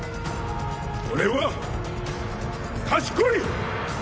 俺は賢い！